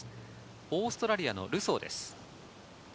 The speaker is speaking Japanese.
オーストラリアのルソーです。